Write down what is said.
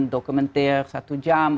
dokumenter satu jam